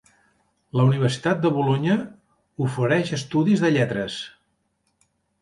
La Universitat de Bolonya ofereix estudis de lletres.